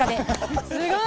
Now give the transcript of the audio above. すごい！